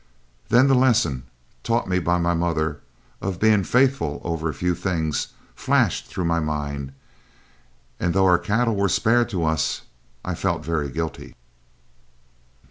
Then the lesson, taught me by my mother, of being "faithful over a few things," flashed through my mind, and though our cattle were spared to us, I felt very guilty.